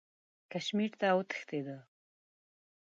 کشمیر ته وتښتېدی.